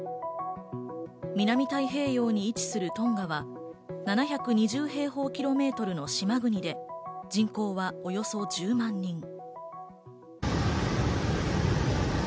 南太平洋に位置するトンガは７２０平方キロメートルの島国で、人口はおよそ１０万人。